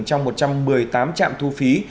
trong một trăm một mươi tám trạm thu phí